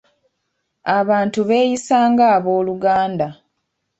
Abantu beeyisa nga abooluganda.